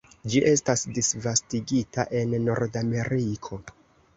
Ĝi estas disvastigita en Nordameriko.